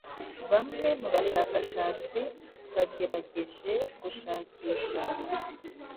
bamwe mu bashakashatsi bagerageje gushakisha